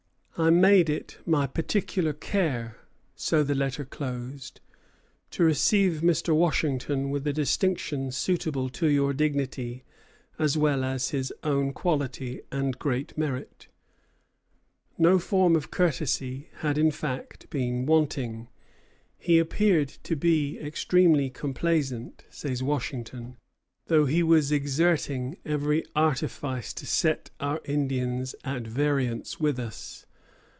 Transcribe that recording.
"I made it my particular care," so the letter closed, "to receive Mr. Washington with a distinction suitable to your dignity as well as his own quality and great merit." No form of courtesy had, in fact, been wanting. "He appeared to be extremely complaisant," says Washington, "though he was exerting every artifice to set our Indians at variance with us.